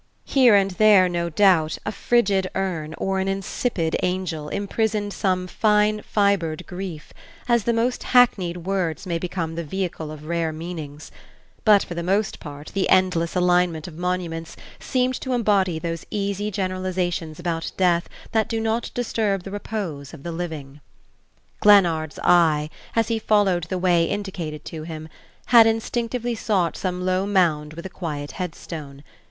Here and there, no doubt, a frigid urn or an insipid angel imprisoned some fine fibred grief, as the most hackneyed words may become the vehicle of rare meanings; but for the most part the endless alignment of monuments seemed to embody those easy generalizations about death that do not disturb the repose of the living. Glennard's eye, as he followed the way indicated to him, had instinctively sought some low mound with a quiet headstone.